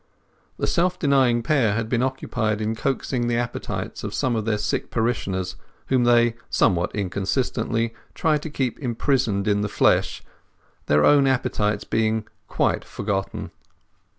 The self denying pair had been occupied in coaxing the appetites of some of their sick parishioners, whom they, somewhat inconsistently, tried to keep imprisoned in the flesh, their own appetites being quite forgotten.